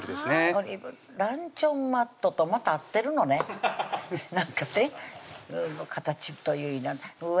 オリーブランチョンマットとまた合ってるのねなんかね形といいうわ